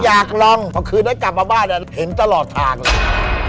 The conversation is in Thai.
อยากลองพอคืนนั้นกลับมาบ้านเห็นตลอดทางเลย